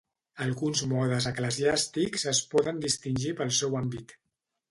Alguns modes eclesiàstics es poden distingir pel seu àmbit.